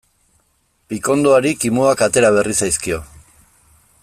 Pikondoari kimuak atera berri zaizkio.